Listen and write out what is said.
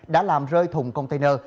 đã làm rơi thùng container